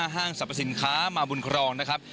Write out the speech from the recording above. ห้างสรรพสินค้ามาบุญครองนะครับ